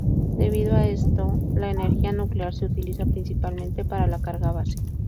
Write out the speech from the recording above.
Debido a esto, la energía nuclear se utiliza principalmente para la carga base.